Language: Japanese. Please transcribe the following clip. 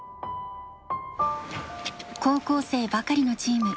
高校生ばかりのチーム。